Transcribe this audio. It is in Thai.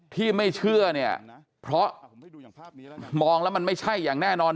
ที่ไม่เชื่อเนี่ยเพราะมองแล้วมันไม่ใช่อย่างแน่นอน